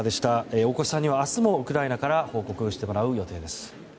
大越さんには明日もウクライナから報告してもらう予定です。